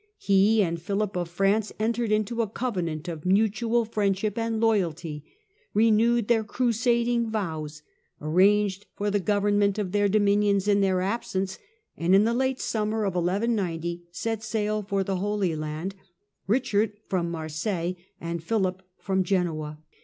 He and Philip of France entered into a covenant of mutual friendship and loyalty, renewed their crusading vows, arranged for the government of their dominions in their absence, and, in the late summer of 1190, set sail for the Holy Land, Eichard from Marseilles and Philip from Genoa.